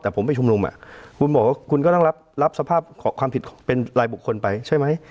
แต่ผมไปชุมนุมคุณบอกว่าคุณก็ต้องรับสภาพของความผิดเป็นรายบุคคลไปใช่ไหม